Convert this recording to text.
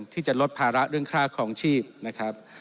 ที่จะลดภาระเรื่องค่าครองชีพนะครับ